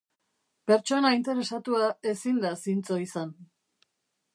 Pertsona interesatua ezin da zintzo izan.